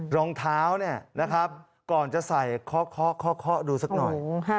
รองเท้านะครับก่อนจะใส่คลอดูสักหน่อย